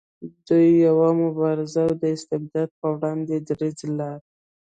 دی یو مبارز و د استبداد په وړاندې دریځ لاره.